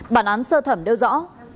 bản án sơ thẩm đều rõ